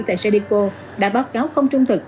tại sadeco đã báo cáo không trung thực